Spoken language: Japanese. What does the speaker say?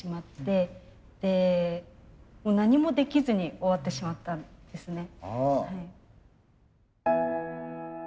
でもう何もできずに終わってしまったんですね。